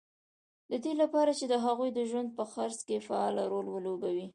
د دې لپاره چې د هغوی د ژوند په څرخ کې فعال رول ولوبوي